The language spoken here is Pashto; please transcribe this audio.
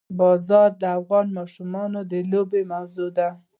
باران د افغان ماشومانو د لوبو موضوع ده.